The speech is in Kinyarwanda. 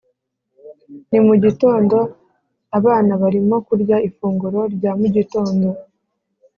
ni mu gitondo. abana barimo kurya ifunguro rya mu gitondo.